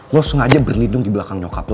lo sengaja berlindung di belakang nyokap lo